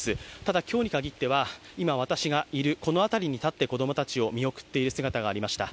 ただ今日に限っては今私がいるこの辺りに立って、子供たちを見送っている姿がありました。